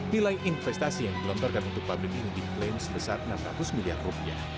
nilai investasi yang digelontorkan untuk pabrik ini diklaim sebesar enam ratus miliar rupiah